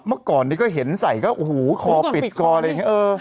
เมื่อก่อนนี้ก็เห็นใส่ก็โอ้โหคอปิดคออะไรอย่างนี้